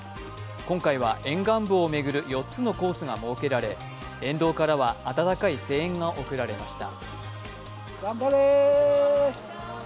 今回は沿岸部を巡る４つのコースが設けられ、沿道からは温かい声援が送られました。